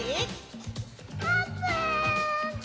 あーぷん！